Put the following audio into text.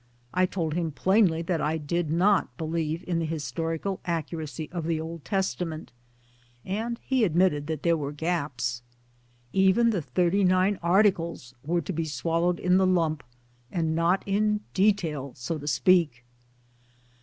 I told him plainly that I did not believe in the historical accuracy of the Old Testament ; and he admitted that there were gaps' ! Even the Thirty nine Articles were to be swallowed in the lump, and not in detail, so to speak.